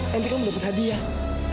nanti kamu dapet hadiah